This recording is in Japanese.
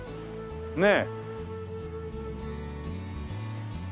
ねえ。